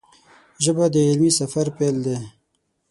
ژبه د علمي سفر پیل دی